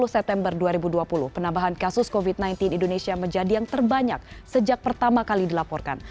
dua puluh september dua ribu dua puluh penambahan kasus covid sembilan belas indonesia menjadi yang terbanyak sejak pertama kali dilaporkan